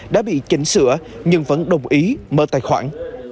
đã bị chỉnh sửa nhưng vẫn đồng ý mở tài khoản